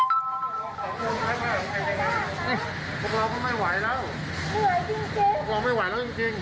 พวกเราก็ไม่ไหวแล้วพวกเราไม่ไหวแล้วจริงจริง